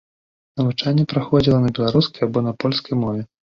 Навучанне праходзіла на беларускай або на польскай мове.